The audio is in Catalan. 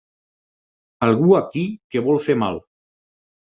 Algú aquí que vol fer mal!